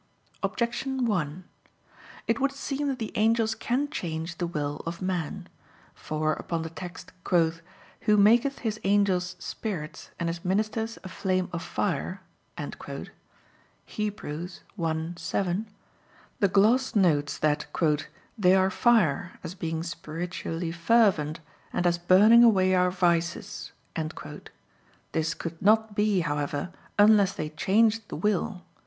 Objection 1: It would seem that the angels can change the will of man. For, upon the text, "Who maketh His angels spirits and His ministers a flame of fire" (Heb. 1:7), the gloss notes that "they are fire, as being spiritually fervent, and as burning away our vices." This could not be, however, unless they changed the will.